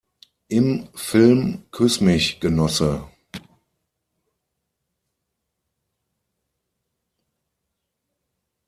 Im Film "Küss mich, Genosse!